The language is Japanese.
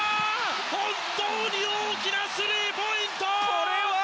本当に大きなスリーポイント！